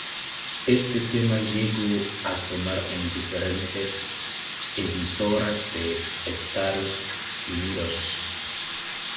Éste tema llegó a sonar en diferentes emisoras de Estados Unidos.